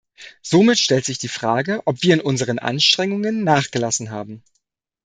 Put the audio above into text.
Somit stellt sich die Frage, ob wir in unseren Anstrengungen nachgelassen haben.